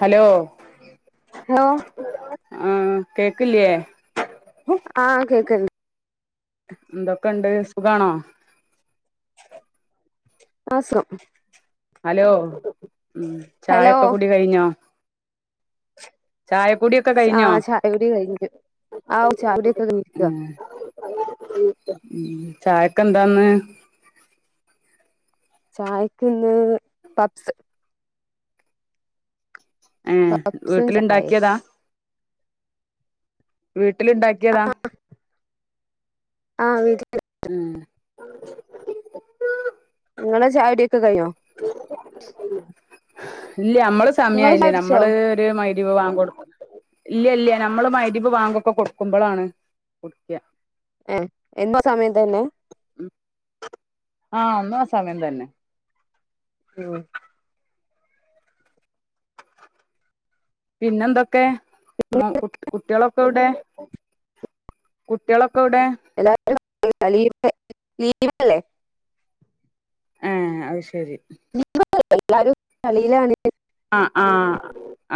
Hello hello ആ കേക്ക്ലിയേ ആ കേക്ക്ണ്ട് എന്തൊക്കൊണ്ട് സുഖണോ ആ സുഖം ഹലോ ഉം ഹലോ ചായഒക്കെ കൂടി കഴിഞ്ഞോ ചായക്കുടിയൊക്കെ ആ കഴിഞ്ഞോ ചായകുടി കഴിഞ്ഞു ആവ് ചായകുടിഒക്കെ കിഴിഞ്ഇരിക്കുവാ ഉം - ഉം ചായക്ക് എന്താന്ന് ചായക്ക്ന്ന് പബ്സ് ഏഹ് പപ്സും ചായേം വീട്ടിലുണ്ടാക്കിയതാ വീ ട്ടിൽ ഇണ്ടാക്കിയതാ ആഹ് വീട്ടില് ഉം നിങ്ങടെ ചായകുടി ക്ക കയ്ഞ്ഞോ ഇല്ല നമ്മള് സമയായില്ലേ നമ്മള് ഒരു മൈ ഗ്രിവ് വാങ്കോടുക്കും. ഇല്ലല്ല നമ്മള് മഗ്രിവ് വാങ്കോക്കെ കൊടുക്കുമ്പളാണ് കുടിക്ക. ഏഹ് എന്നു ആ സമയം തന്നെ. ആഹ് എന്നും ആ സമയം തന്നെ. ഉം പിന്നെന്തൊക്കെ? മ കുട് കുട്ട്യേളോ പ്പെവിടെ കുട്ടിയേളൊക് [unintelligible] [unintelligible] ലീവല്ലെ ഏ അയ് ശെരി [unintelligible] എല്ലാരും കളിലാണ് ആ ആ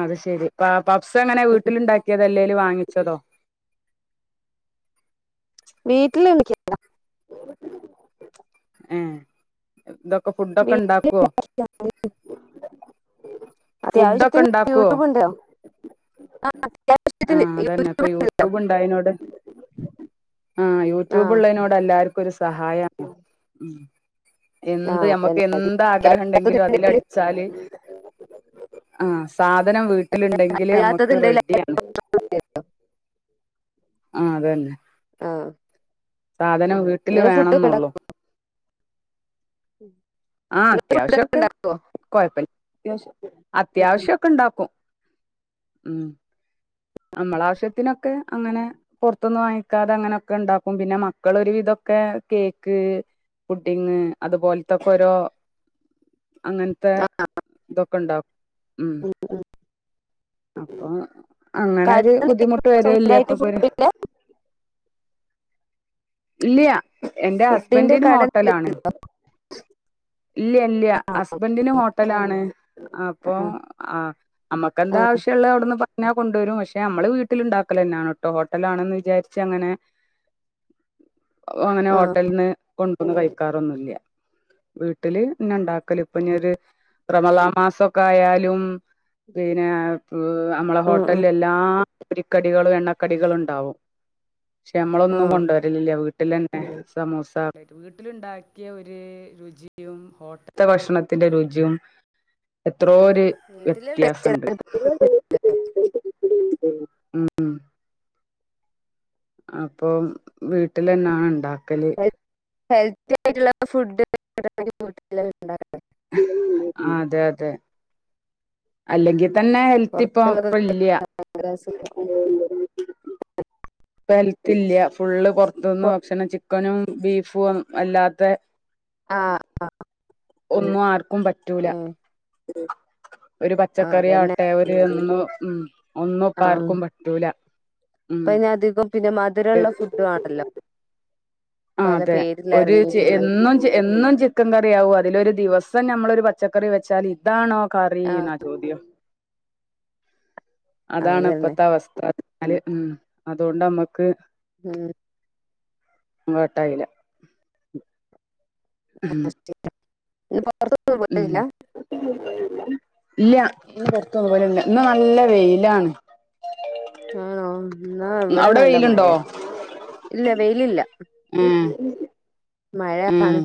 അത് ശരി പാ പപ്സ് എങ്ങനെ വീട്ട്ൽ ഇണ്ടാക്കിയത് അല്ലെ വാങ്ങിച്ചതോ വീട്ടിൽ [unintelligible] ഏ ഇതൊ ഇപ്പ ഫുഡ്‌ ഒക്കെ ഇണ്ടാക്കോ വീട്ടില് ഫുഡ്‌ ഒക്കെ അത്യാവശ്യത്തിന് ഇണ്ടാക്കോ യൂട്യൂബ് ഉണ്ടോ ആഹ് ആ അത്യാവശ്യത്തിന് അതെന്നെ ഇപ്പ ഉണ്ടല്ലോ യൂട്യൂബ് ഇണ്ടായിനോട് ആ യൂട്യൂബ് ആഹ് ഇള്ളെയ്നോട് എല്ലാരും ക്കൊ ഒര് സഹായ എന്ത് ആഹ് ഞമ്മക്ക് എന്ത് ആഗ്രഹം ഇണ്ടെങ്കിലും അതന്നെ അതിൽല അടിച്ചാൽ ആ സാധനം വീട്ടിൽ ഇണ്ടെങ്കിൽ ഞമ്മക്ക് അറിയാത്തത്ണ്ടെങ്കിൽ റെഡിയാണ് ആ അത് തന്നെ ആ സാധനം വീട്ടിൽ വേണംന്നൊള്ളു ഉം ആ അത്യാവശ്യം ഒക്കെ കൊഴപ്പ ത്യാവശ്യം ഒക്കെ അത്യാവശ്യം ഒക്കെ ഇണ്ടാക്കും ഉം നമ്മളെ ആവശ്യത്തിനൊക്കെ അങ്ങനെ പൊർത്ത്ന്ന് വാങ്ങിക്കാതെ അങ്ങനെയൊക്കെ ഇണ്ടാക്കും പിന്നെ മക്കൾ ഒര് വിധൊക്കെ കേക്ക് ഫുഡിങ് അതുപോൽത്തൊക്കെ ഓരോ അങ്ങൻത്തെ ആ തൊ ക്കെ ഇണ്ടാ ഉം അപ്പം അങ്ങനെ ഒര് കട ബുദ്ധിമുട്ട് വരെൽ ഇല്ല സ്വന്തായിട്ട് അപ്പൊ പിന്നെ ഫുഡിന്റെ ഇല്ല്യ എന്റെ ഫുഡിന്റെ ഹസ്ബെന്റിനു കട ഹോട്ടലാണ് ഇല്ല്യ ഇല്ല്യ ആ ഹസ്ബെന്റിനു ഓക്കെ ഹോട്ടലാണ് അപ്പൊ ആ അമ്മക്ക് എന്ത് ആവശ്യ ഇള്ളെ അയുട്ന്ന് പർണാ കൊണ്ട് വെരും പ ക്ഷെ അമ്മൾ വീട്ട്ൽ ഇണ്ടാക്കെൽയെന്നെ ആണ് ട്ടോ ഹോട്ടൽ ആണെന്ന് വിചാരിച്ച് അങ്ങനെ അങ്ങനെ ആ ഹോട്ടൽന്ന് കൊണ്ടോന്ന് കഴിക്കാറൊന്നുയില്ല വീട്ടിൽന്നെ ഇണ്ടാക്കെൽ ഇപ്പഞ്ഞൊര് റമളാം മാസൊക്കെ ആയാലും പിന്നെ വ് അമ്മളെ ആ ഹോട്ടെൽ എല്ലാ പൊരിക്കടികളും എണ്ണക്കടികളും ഇണ്ടാവും ക്ഷേ നമ്മള് ആ ആ ഒന്നും കൊണ്ടുവര ല്ലില്ലാ വീട്ടിൽന്നെ സമോസ വീട്ടില ഉണ്ടാക്കിയ ഒരു രുചിയും ഹോട്ടത്തെ ഭക്ഷണത്തിന്റെ രുചിയും എത്രോ ഒരു വീട്ടില് വ്യത്യാസമുണ്ട് ഉ അപ്പൊ വീട്ടിലന്നാണ് ഉണ്ടാക്ക കല് ഹെൽത്തി ആയിട്ടുള്ള ഫുഡ്ട്ടണ്ട അതെ അതെ അല്ലെങ്കിൽ തന്നെ ഹെൽത്ത് ഇപ്പൊ പുറത്തുള്ളത് ഭയങ്കര ഇപ്പല്ലിയ അസുഖം ഹെൽത്ത് ഇല്ല്യാ ഫുള്ള് പൊ പുറത്തുനിന്ന് ഭക്ഷണം ചിക്കനും ബീഫും അല്ലാത്ത ആ ആ ഒന്നും ആർക്കും പറ്റൂല ഉം ശ ഒരു ആ അതന്നെ പച്ചക്കറിയവട്ടെ ഒരു ഒന്നും ഉം ഒന്നും ആ പ ആർക്കും പറ്റൂല ഉ ഇപ്പ ഇനി അധികം പിന്നെ മധുരമുള്ള ഫുഡ് ആണല്ലോ ആ പല അതെ പേരിൽ ഒരു ഇറങ്ങിയിട്ടുള്ളെ എന്നും എന്നും ചിക്കൻ കറിയാകും അതില ഒരു ദിവസം നമ്മളരു പച്ചക്കറി വെച്ചാൽ ഇതാണോ ആ കറിനാ ചോദ്യം അതന്നെ അതാണ്പ്പത്ത അവസ്വ അല് ഉ അതുകൊണ്ട് നമ്മക്ക് ഉഹ ങ്ങോട്ടായില്ല അേ [unintelligible] അർത്തന്ന ഉം പോല്ല [unintelligible] ഇല്ല ഇ പൊറത്തൊന്ന പോവലില്ലാ ഇ നല്ല വെയിലാണ് ആണോ എന്നാ ഇവിടെ അവിടെ നല്ല മഴ വെയിലുണ്ടോ ഇല്ല വെയിലില്ല ആഹ മഴയാണ്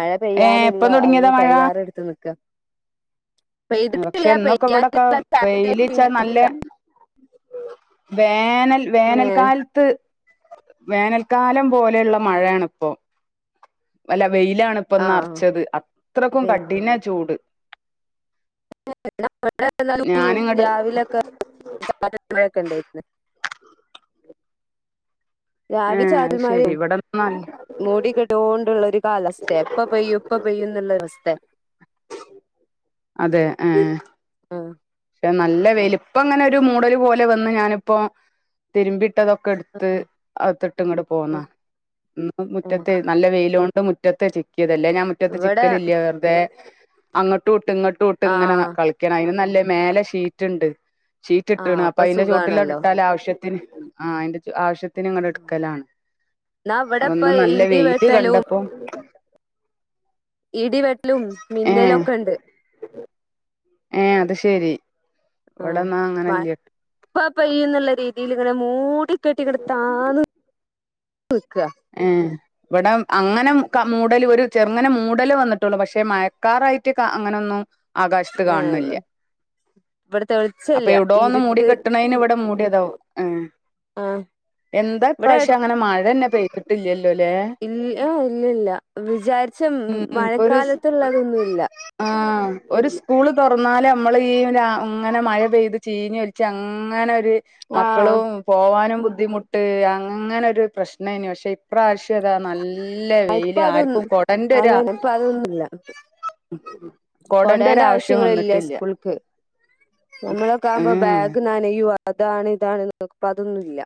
മഴ ഏ പെയ്യാനുള്ള ഇപ്പം തുടങ്ങിയതാ അതിന് മഴ തയ്യാറെ എടുത്ത് നിൽക്കുക പക്ഷെ എന്നൊക്കെ ഇവിടെയൊക്കെ പെയ്യാനുള്ള വെയിലച്ചാ സാധ്യത. നല്ല വേനൽ ഏഹ് വേനൽക്കാലത്ത് വേനൽക്കാലം പോലെയുള്ള മഴയാണ് ഇപ്പൊ വല്ല വെയിലാണ് ആഹ് ഇപ്പൊന്നറച്ചത് അത്രക്കും കഠിന ചൂട് ഞാനിങ്ങട് രാവിലൊക്കെക്കണ്ട ഏ രവി അത് ശെരി ചാരുൽമാരും ഇവിടെ മൂടിികെടോണ്ടുള്ള ഒരു ാലസ്ഥ എപ്പ പെയ്യ ഇപ്പ പെയ്യ എന്നുള്ള അവസ്ഥ അതെ ആഹ ആഹ നല്ല വലുപ്പം അങ്ങനെ ഒരു മൂടൽ പോലെ വന്ന് ഞാനിപ്പോ തിരുമ്പിട്ടതൊക്കെ എടുത്ത് ആഹ് അട്ട് ഇങ്ങോട്ട പോന്ന ആഹ് മുറ്റത്ത് ആഹ് നല്ല വെയില മുറ്റത്തെ തല്ലേ ഞാൻ മുറ്റത്ത് ഇവിടെ ചിക്കൻ ഇല്ലേ വെറതെ അങ്ങോട്ട് ഇങ്ങോട്ടോട്ട് ഇങ്ങനെ ആഹ് കളിക്ക അതിനന് നല്ല മേലെ ഷീറ്റ്ുണ്ട് ചീറ്റ് ആഹ് ഇട്ടണ് അപ്പൊ അതിന്റെ ചൂട്ടിലാം സുഖാണല്ലോ ഇട്ടാലൽ ആവശ്യം ആ അതിന്റെ ആവശ്യ ത്തിങ്ങള എടുക്കലാണ് എന്നാ ഇവിടെപ്പ അതൊന്ന് നല്ല ഇടി വെയില് വെട്ടലും കണ്ടപ്പോ ും ഏ മിന്നലൊക്കെ ഉണ്ട് ഏ അത് ശരി ആ ഇവിടെന്നാ മഴ അങ്ങനില്ലേട്ട് പെയ്യുന്നുള്ള രീതിയില് ഇങ്ങനെ മൂ ടികേട്ടിങ്ക്ട് താന്ന് നിക്ക ഇവടം അങ്ങനെ ക മൂടല് ഒരു ചെറുങ്ങനെ മൂടല് വന്നിട്ടുള്ളൂ പക്ഷെ മയക്കാറായിട്ട് കാ അങ്ങനൊന്നും ആകാശത്ത് ഏ കാണണില്ല ഇവിടത്തെ അപ്പ വെളിച്ചല്ല എവിടോ ഒന്ന് മൂടി ഇരുട്ട് കെട്ടണേന് ഇവടെ മൂ ടിതാവും ആഹ് ആഹ് ഇവിടെ അടു അങ്ങനെ മഴന്നെ പെയ്തിട്ടില്ലല്ലോ ല്ലേ ഇല്ല എ് ഇല്ലല്ല വിചാരിച്ച ഉം ഇപ്പൊ ഒരു മഴക്കാലത്തുള്ളതൊന്നുംല്ല ആഹ് ഒരു സ്കൂള് തുറന്നാല് അമ്മള് ഈ രാ ഉം അങ്ങനെ മഴ പെയ്ത് ചീഞ്ഞൊലിച്ച് അങ്ങനെരു ര് ആഹ് മക്കളും പോവാനും ബു ദ്ധിമുട്ട് അങ്ങനെ ഒരു പ്രശ്നേനു പക്ഷെ ഇപ്രാവശ്യം അതാ നല് ല്ല ഇപ്പ വെയില് അതൊന്ന് ആർക്കും കൊടന്റെരു ആ അതന്നെ ഇപ്പ കൊടേൻ്റെ ആവശ്യങ്ങള് ഇല്ല സ്കൂൾക്ക്. നമ്മളൊക്കെ ആവുമ്പോ ഉം ബാഗ് നനയു വ അതാണ് ഇതാണ് [unintelligible] ഇപ്പോഅതൊന്നുംല്ല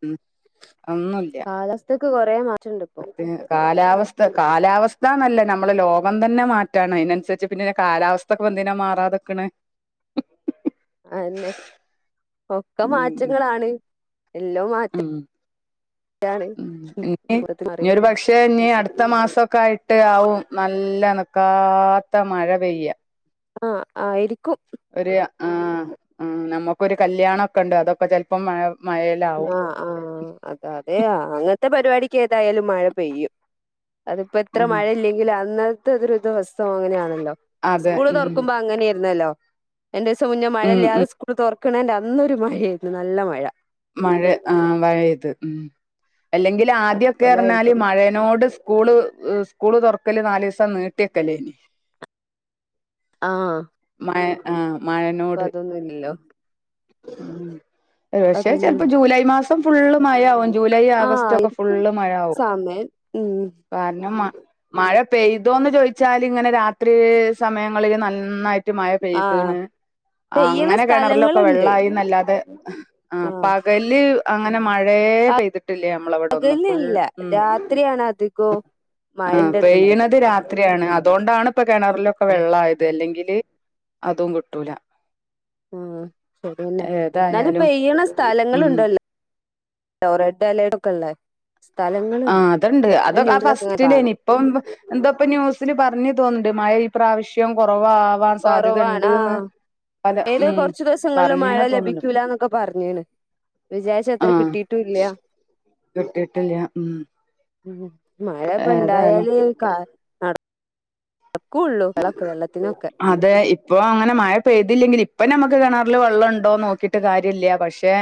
ഉം ഒന്നൂല്ല. ക്ക് കൊറേ മാ എഹ് കാലാവസ്ഥ കാലാവസ് ഥാന്നല്ല നമ്മള ലോകം തന്നെ മാറ്റാണ് അയിനൻസരിച്ച് പിന്നെ കാലാവസ്ഥൊക്കെപ്പെന്തിനാ മാറാതെ ക്ക്ണ്? അയന്നെ. ഒക്കെ ഉം മാറ്റങ്ങളാണ്. എല്ലോം ഉം മാറ്റാണ് ഉം പൊറത്ത് മാറി ത്ത മാസൊക്കെ ആയിട്ട് ആവും നല്ല നിക്കാത്ത മഴ പെയ്യാ ആഹ് ആയിരിക്കും ഒരു ആഹ് ആഹ് നമുക്കൊരു കല്യാണൊക്കെ ഇണ്ട് അതൊക്കെ ചെലപ്പം മഴ മഴയിലാവും ആഹ് ആഹ് അത അതെയാ അങ്ങ് ത്തെ പരിപാടിക്ക് ഏതായാലും മഴ പെയ്യും അതിപ്പോ എത്ര ഉം മഴയില്ലെങ്കിലും അന്ന് തത്തൊരുരുദിവസം അങ്ങനെയാണല്ലോ അതെ സ്കൂള് ഉം തൊർക്കുമ്പോ അങ്ങനെയ്ര്ന്നല്ലോ രണ്ടീസം മുന്നേ ഉം മഴെല്ലാതെ ഉം സ്കുൾ തെറക് ക്ക്ണേന്റെ അന്നൊരു മഴേയര്ന്നു നല്ല മഴ മഴ ആഹ് മഴെയ്ത് അല്ലെങ്കില് ആദ്യക്കെർഞ്ഞാല് അതുപോലായിരിക്കും മഴനോട് സ്കൂള് സ്കൂള് തൊറക് ഒക്കല് നാലീസം നീട്ടിക്കെലേനി ആഹ് ആഹ് ഇപ്പൊ അതൊന്നും ഇല്ലല്ലോ [unintelligible] ക്ഷേ ചിലപ്പോൾ ജൂലൈ മാസം ഫുള്ള് മഴയാവും ജൂലൈ ആഹ് ആഗസ്റ്റ് ഒക്കെ ആയിരിക്കും ഫുള്ള് മഴ ആവും സമയം ഉം കാരണം മ മഴ പെയ്തോന്ന് ചോദിച്ചാൽ ഇങ്ങനെ രാത്രി സമയങ്ങളില് നന്നായിട്ട് മഴ ആഹ് പെയ്തണ് പെയ്യണ അങ്ങനെ കിണറിലൊക്കെ സ്ഥലങ്ങളുണ്ട് വെള്ളായീന്നല്ലാതെ ആ ആഹ് പകല് അങ്ങനെ മഴേ പെയ്തിട്ട് ഡ്രീല്ലൃയ നമ്മളവിടെ ഒന്നും ഫുൾ പകലില്ല ഉം രാത്രിയാണ് അധികവും ആ മഴന്റെതുണ്ടായത് പെയ്യണത് രാത്രിയാണ് അതുകൊണ്ടാണ് ഇപ്പ കിണറിലൊക്കെ ആ വെള്ളം ആയത് അല്ലെങ്കില് അതും കിട്ടൂല ആഹ അപ്പം പിന്നെ എന്നാലും ഏതായാലും പെയ്യ് കീണ ഉം സ്ഥലങ്ങളുണ്ടാലോ റെഡ് അലേഡ് ഒക്കെളേള ആ അതണ്ട് അതൊ ആ ഇങ്ങനെ ഫസ്റ്റിലോ കാണാം ഇപ്പം എന്താപ്പ ന്യൂസിന് പറഞ്ഞു തോന്നി മഴ ഇപ് പ്രാവിശ്യം കുറവ് കുറവാണ് ആ പല ഏതോ ഉം കുറച്ച് ദിവസങ്ങളിലും മഴ പറഞ്ഞീന ലഭിക്കൂല്ല എന്നൊക്കെ പറഞ്ഞോണ് ആ കിട്ടിയിട്ടില്ല ഉം മ് ഹ് മഴ ഇപ്പ ഏതായാലും ഇണ്ടായ് ക നട പക്കൂള്ളൂ വളക്ക് വെള്ളത്തിന ഒക്കെ അതെ ഇപ്പൊ അങ്ങനെ മഴ പെയ്തില്ലെങ്കിൽ ഇപ്പ നമുക്ക് കിണറിൽ വെള്ളം ഉണ്ടോ നോക്കിയിട്ട് കാര്യല്ല പക്ഷേ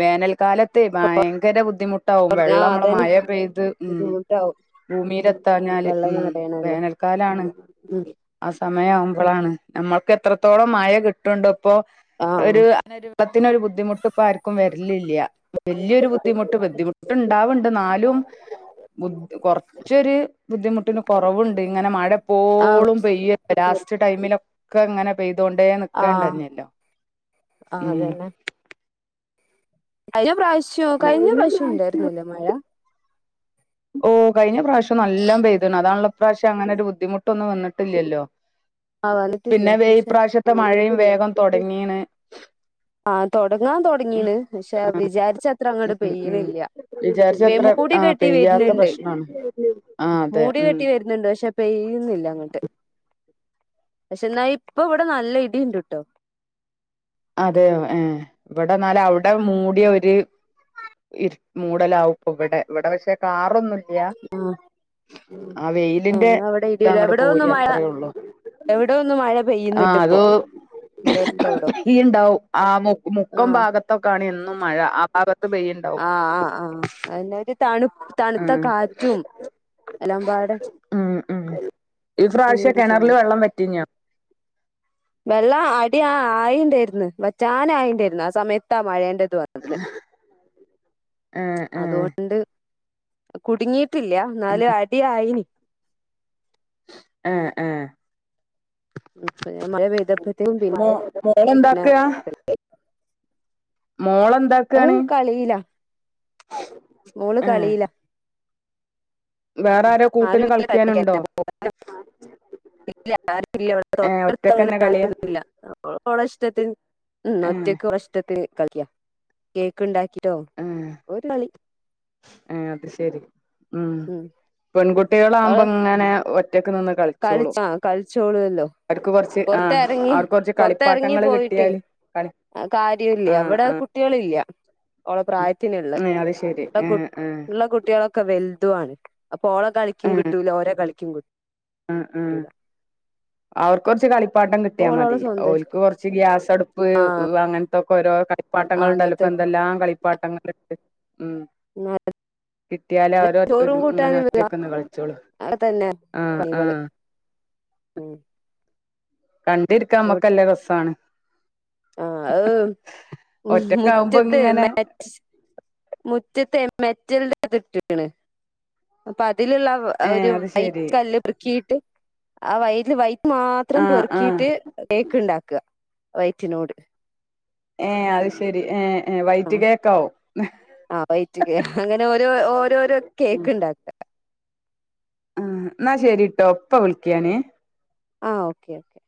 വേനൽക്കാല മതേ ഭയങ്കര ബുദ്ധിമുട്ടാവും ആ വെള്ളം നമ്മള് അതന്നെ മഴ പെയ്ത് ഉം ബുദ്ധിമുട്ടാവും ഭൂമിയില എത്താഞ്ഞാല് വെള്ളം ഉം നിറയണല്ലോ വേനൽക്കാലാണ് ഉം സമയവുമ്പോളാണ് നമ്മൾക്ക് എത്രത്തോളം മഴ കിട്ടുംണ്ടോ ഇപ്പൊ ആഹ് ഒരു അത്തിനൊ ഒരു ബുദ്ധിമുട്ട് ഇപ്പ ആർക്കും വ ഇല്ല ഇല്ലയ വലിയൊരു ബുദ്ധിമുട്ട് ബുദ്ധിമുട്ട്ണ്ടാവുണ്ട് നാലും കുറച്ചൊരു ബുദ്ധിമുട്ടിന് കൊറവുണ്ട് ഇങ്ങനെ മഴ പോ ആഹ് എപ്പോളും പ ടൈമിലൊക്കെ അങ്ങനെ പോ ഇതുകൊണ്ടേ ആഹ് നക്കണ്ടന്നല്ലോ ഉ അയ്യം പ്രാവശ്യോ കഴിഞ്ഞ പ്രാവശ്യം ഉണ്ടായിരുന്നല്ലേ മഴ ഓ കൈന പറ നല്ല പ്ത അതാണ് പ്രാവശ്യം അങ്ങനെ ബദ്ധിമുട്ട് ഇപ്പം വന്നിട്ടില്ലല്ലോ ആഹ് വന്നിട്ടില്ല പിന്നെ വെയ പക്ഷെ പ്ര്രാവശ്യത്തെ മഴയും വേഗം തുടങ്ങിണ് ആഹ തുടങ്ങാൻ തുടങ്ങീണ് പക്ഷെ ആഹ് വിചാരിച്ചത്ര അങ്ങോട്ട ഉം ഉം വിചാരിച്ചത്ര പെയനല്ലമൂടി ആഹ് കെട്ടി കട്ടി പെയ്യാത്ത വരുന്നുണ്ട് പ്രശ്നാണ് ആഹ് അതെ മൂടി ഉം കെട്ടി വരുന്നുണ്ട് പക്ഷെ പെയ്യുന്നില്ല അങ്ങോട്ട് പക്ഷെ എന്നാ ഇപ്പ ഇവിടെ നല്ല ഇടുണ്ട്ട്ടോ അതെയ ഏ് ഇവിടെ എന്നാലും അവിടെ മൂടിയ ഒരു മൂടലാവപ്പ ഇവിടെ ഇവിടെ പക്ഷേ കാ അറൊന്നുംല്ല ആഹ് ഉ ആ വെയിലിന്റെ ഏഹ് അവിടെ ഇത ഇടിയുണ്ട് അങ്ങോട്ട എവിടോ ഒന്ന് പോയി മഴ അത്രേ ഉള്ളു എവിടോ ഒന്ന് മഴ പെയ്യുന്നുണ്ട് ഇപ്പൊ ഇവിടെ അടുത്തവിട ഈ ആ മുക്കം ഭാഗത്തൊക്കാണ് എന്നും മഴ ആ ഭാഗത്ത് പെയ്യുണ്ടാവും ആഹ് ആഹ് ആഹ് അതിന്റെ ഒരു തണു തണുത്ത കാറ്റും എല്ലാം പാടെ ഉ ഉ ഉ പ്രാവശ്യ അങ്ങനൊരിതുണ്ട് കിണറില് വെള്ളം പറ്റിഞ്ഞ വെള്ള അടി ആയിണ്ടായിന്ന് വച്ചാന ആയിണ്ടായിരുന്നു ആ സമയത്താ മഴയേണ്ട അത് പറെ ഏ ഏ അതൊണ്ട് കുടുങ്ങി കിട്ടില്ല നാലല് അടിയ ആയിന് ആഹ ആഹ ഞാൻ മഴ പെയദഭ്യത്തും മോ പിന്ന മോളെന്താക്കാ പി മോളെന്താക്കാണ് കളിയിലാ മോള് ഏ കളില വേറെ ആരോ കൂട്ടിന് ആരുില്ല ക കളിക്കാനുണ്ടോ ഇല്ല ആരില്ല ഏ തൊട്ടത്ത അങ്ങനെ ഒറ്റക്കന്നെ ആ കളിയാ ഒന്നുംല്ലഓള ഇഷ്ടത്തി ഉ ഏ ഒറ്റക്ക് ഇഷ്ടത്തി കേക്ക് ഉണ്ടാക്കി ോ ഒരു കളി ആ അത് ശരി ഉം പെൺകുട്ടികളാാവുമ്പോ ഇങ്ങനെ ഒറ്റക്ക് നിന്ന് കളിച്ചോളും കളിച്ച ആ കളിച്ചോളല്ലോ അവർക്ക് കൊറച്ച് ആ പുൊറത്തെ ഇറങ്ങി അവർക്ക് കൊറച്ച് പൊറത്തെ ഇറങ്ങി കളിപ്പാട്ടങ്ങള് പോയിട്ടേ കിട്ടിയാല് കളി കാര്യില്ലേ ആ അവിടെ ആ കുട്ടികളില്ല ഓള പ്രായത്തിനള്ളള്ള അത് ശരി ആ ആ ഉള്ള കുട്ടികളൊക്കെ വ ത്ത അണക്ക് അപ്പൊ ള കളിക്കും കിട്ടല ഓ കളിക്കും കിട്ടും ഉം ഉം അവർക്ക് കുറച്ച് കളിപ്പാട്ടം അപ്പൊ കിട്ടിയാൽ ഓളോളെ മതി സ്വന്തം ഓൽക്ക് ഇഷ്ടം കുറച്ച് ഗ്യാസ അടുപ്പ് ആഹ് അങ്ങനത്തൊക്കെ ഓരോ കളിപ്പാട്ടങ്ങൾ ഉണ്ടല്ലും ഇപ്പോ അങ്ങനത്തൊക്കെ എന്തെല്ലാം കളിപ്പാട്ടങ്ങള ഉം [unintelligible] കിട്ട്യാലേ അവര് ചോറും ഇങ്ങനെ കൂട്ടാനും ഒറ്റയൊക്ക ഒന്ന് കളിച്ചോളൂ അതൊക്കെ തന്നെ ആ ആ [unintelligible] ഉം കണ്ടിരിക്കാൻ നമക്കല്ല രസാണ് ആ അ ഒറ്റക്കാവുമ്പോ മുറ്റത്ത് ഇങ്ങനെ മേ മുറ്റത്തെം മെറ്റൽന്റെ തിറ്റിണ് അതിലിള്ള ഏ ഒരു അത് വൈറ്റ് ശരി കല്ല് വൃക്കിയിട്ട് ആ വ വായി മാത്രം ആ ആ പെറുക്കിട്ട് കേക്ക് ഇണ്ടാക്ക വൈ റ്റിനോട് ഏ അത് ശരി ഏ ഏ ആ വൈറ്റ് കേക്കാവും ആ വൈറ്റ് അങ്ങനെ ഓരോ ഓരോരോ കേക്ക് ഇണ്ടാക്ക ആ എന്നാ ശെരിട്ടോ ഇപ്പ വിളിക്കിയാനേ ആ ഓക്കെ ഓക്കേ